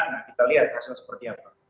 nah kita lihat kasusnya seperti apa